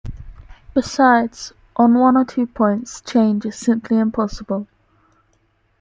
Besides, on one or two points change is simply impossible.